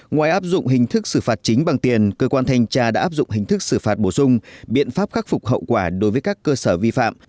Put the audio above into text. ngoài áp dụng hình thức xử phạt chính bằng tiền cơ quan thanh tra đã áp dụng hình thức xử phạt bổ sung biện pháp khắc phục hậu quả đối với các cơ sở vi phạm